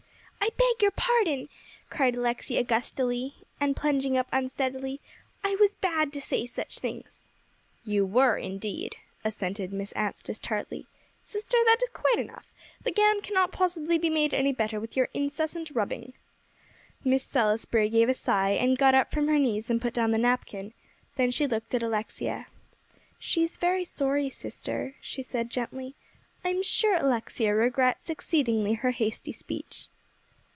"I beg your pardon," cried Alexia gustily, and plunging up unsteadily. "I was bad to say such things." "You were, indeed," assented Miss Anstice tartly. "Sister, that is quite enough; the gown cannot possibly be made any better with your incessant rubbing." Miss Salisbury gave a sigh, and got up from her knees, and put down the napkin. Then she looked at Alexia. "She is very sorry, sister," she said gently. "I am sure Alexia regrets exceedingly her hasty speech."